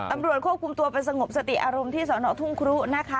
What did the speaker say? ตำรวจควบคุมตัวไปสงบสติอารมณ์ที่สอนอทุ่งครุนะคะ